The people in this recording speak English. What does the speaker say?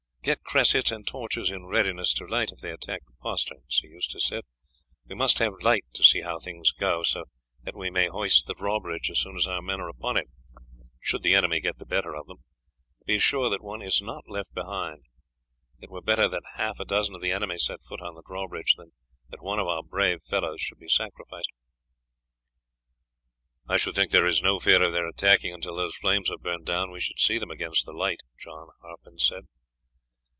"Get cressets and torches in readiness to light if they attack the postern," Sir Eustace said; "we must have light to see how things go, so that we may hoist the drawbridge as soon as our men are upon it, should the enemy get the better of them. Be sure that one is not left behind; it were better that half a dozen of the enemy set foot on the drawbridge than that one of our brave fellows should be sacrificed." "I should think that there is no fear of their attacking until those flames have burnt down; we should see them against the light," John Harpen said.